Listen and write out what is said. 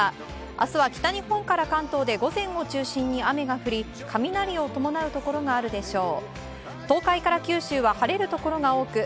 明日は北日本から関東で午前を中心に雨が降り雷を伴うところがあるでしょう。